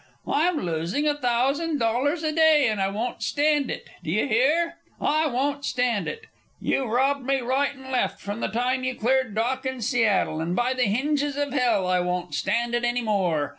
I'm losing a thousand dollars a day, and I won't stand it! Do you hear? I won't stand it! You've robbed me right and left from the time you cleared dock in Seattle, and by the hinges of hell I won't stand it any more!